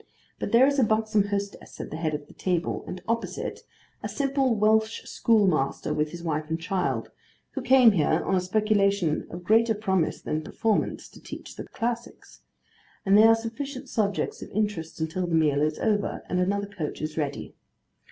But there is a buxom hostess at the head of the table, and opposite, a simple Welsh schoolmaster with his wife and child; who came here, on a speculation of greater promise than performance, to teach the classics: and they are sufficient subjects of interest until the meal is over, and another coach is ready.